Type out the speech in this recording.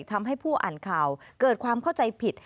ทำให้ผู้อ่านข่าวเกิดความเข้าใจผิด